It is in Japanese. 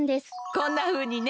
こんなふうにね。